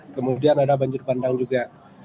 kemudian ada banjir bandang juga